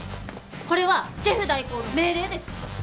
これはシェフ代行の命令です！